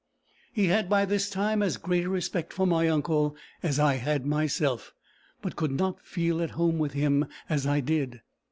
He had by this time as great a respect for my uncle as I had myself, but could not feel at home with him as I did.